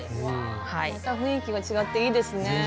また雰囲気が違っていいですね。